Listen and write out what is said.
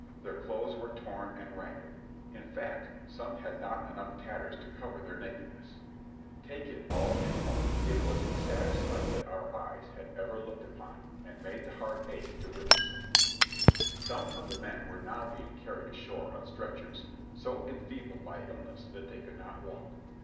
Their clothes were torn and ragged; in fact some had not enough tatters to cover their nakedness. Take it BACK IN OIvD VIRGINIA 225 all in all, it was the saddest sight that our eyes had ever looked upon and made the heart ache to witness it. Some of the men were now being carried ashore on stretchers, so enfeebled by illness that they could not walk.